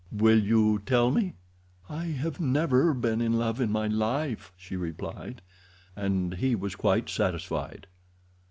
Will you tell me?" "I have never been in love in my life," she replied, and he was quite satisfied.